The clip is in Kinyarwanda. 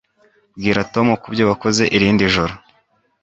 Bwira Tom kubyo wakoze irindi joro